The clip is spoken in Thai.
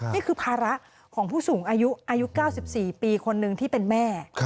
นี่คือภาระของผู้สูงอายุอายุ๙๔ปีคนหนึ่งที่เป็นแม่